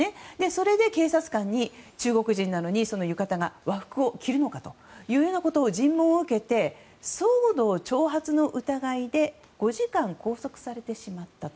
それで警察官に中国人なのに和服を着るのかという尋問を受けて騒動挑発の疑いで５時間拘束されてしまった。